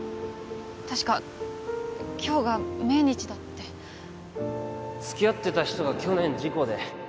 確か今日が命日だってつきあってた人が去年事故で